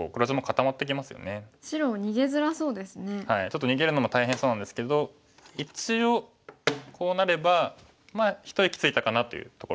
ちょっと逃げるのも大変そうなんですけど一応こうなればまあ一息ついたかなというところで。